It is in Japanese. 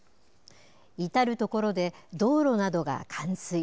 至る所で道路などが冠水。